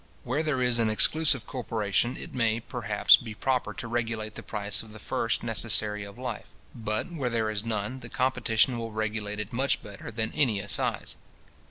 Where there is an exclusive corporation, it may, perhaps, be proper to regulate the price of the first necessary of life; but, where there is none, the competition will regulate it much better than any assize.